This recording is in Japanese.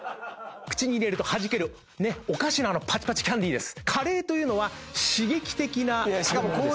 口に入れるとはじけるお菓子のパチパチキャンディです。